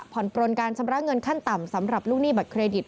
ปลนการชำระเงินขั้นต่ำสำหรับลูกหนี้บัตเครดิต